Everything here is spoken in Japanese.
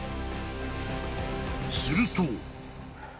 ［すると］